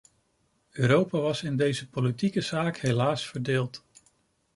Europa was in deze politieke zaak helaas verdeeld.